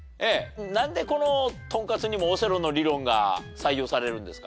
なんでこのトンカツにもオセロの理論が採用されるんですか？